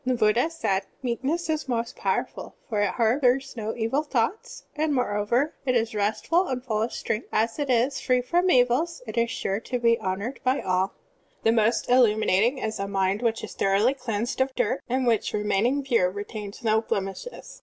The Buddha said: "Meekness is most powerful, for it harbors no evil thoughts, and, moreover, it is restful and ftdl of strength. As it is free from evils, it is sure to be honored by all.* "The most illuminating is a mind which is »Matt. V, 5. Digitized by Google 12 SERMONS OP A BUDDHIST ABBOT thoroughly cleansed of dirt, and which, remain ing pure, retains no blemishes.